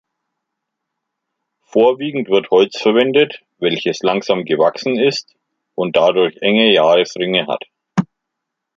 Vorwiegend wird Holz verwendet, welches langsam gewachsen ist und dadurch enge Jahresringe hat.